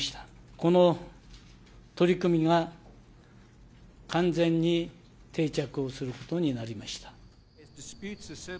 この取り組みが完全に定着をすることになりました。